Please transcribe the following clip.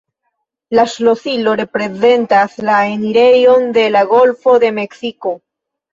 La ŝlosilo reprezentas la enirejon de la Golfo de Meksiko.